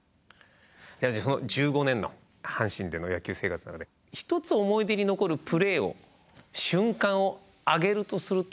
その１５年の阪神での野球生活の中で一つ思い出に残るプレーを瞬間を挙げるとすると？